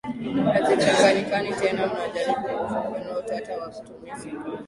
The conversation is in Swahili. hazichanganyikani tena anajaribu kuufafanua Utatu kwa kutumia saikolojia